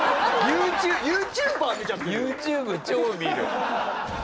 ＹｏｕＴｕｂｅ超見る。